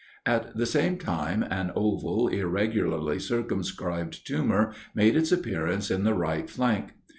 At the same time an oval, irregularly circumscribed tumor made its appearance in the right flank.